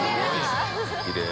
きれい。